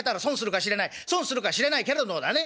損するかしれないけれどもだね